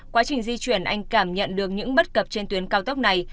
quá trình di chuyển anh cảm nhận được những bất cập trên tuyến cao tốc này